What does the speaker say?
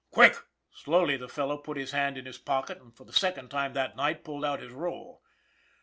Quick!" Slowly the fellow put his hand in his pocket and for the second time that night pulled out his roll.